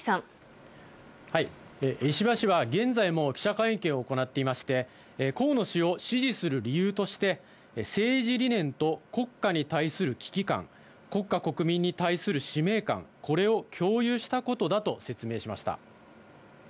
石破氏は現在も記者会見を行っていまして、河野氏を支持する理由として、政治理念と国家に対する危機感、国家国民に対する使命感、これを共有したことだと説明しました。